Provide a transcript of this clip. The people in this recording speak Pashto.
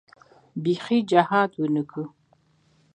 بيخي جهاد ونه کو.